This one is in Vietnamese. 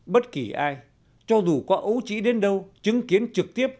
bất kỳ ai cho dù có ấu trĩ đến đâu chứng kiến trực tiếp